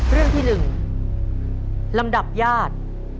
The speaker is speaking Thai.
เรื่องที่๑ลำดับญาติ